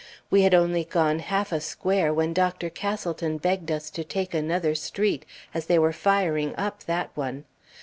We had only gone half a square when Dr. Castleton begged us to take another street, as they were firing up that one.